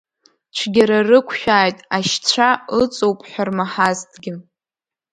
Цәгьара рықәшәааит, ашьцәа ыҵоуп ҳәа рмаҳазҭгьы.